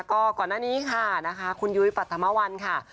ก็ก่อนหน้านี้ค่ะคุณยุ้ยปัจธรรมวัลค่ะ